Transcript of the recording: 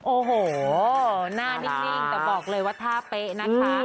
โอ้โหหน้านิ่งแต่บอกเลยว่าท่าเป๊ะนะคะ